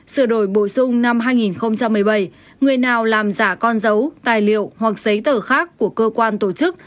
sửa đổi bổ sung năm hai nghìn một mươi bảy người nào làm giả con dấu tài liệu hoặc giấy tờ khác của cơ quan tổ chức